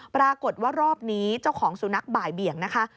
ปรากฏว่ารอบนี้เจ้าของสุนัขบ่ายเบี่ยงนะคะ